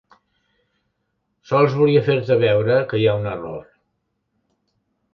Sols volia fer-te veure que hi ha un error.